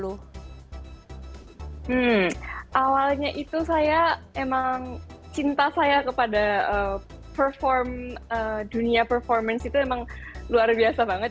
awalnya itu saya emang cinta saya kepada perform dunia performance itu emang luar biasa banget